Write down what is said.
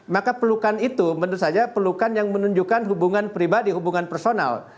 maka pelukan itu menurut saya perlukan yang menunjukkan hubungan pribadi hubungan personal